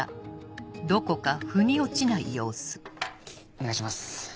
お願いします。